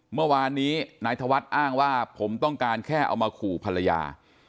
เมื่อวานนี้นายธวัฒน์อ้างว่าผมต้องการแค่เอามาขู่ภรรยา